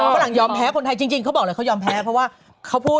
ฝรั่งยอมแพ้คนไทยจริงเขาบอกเลยเขายอมแพ้เพราะว่าเขาพูด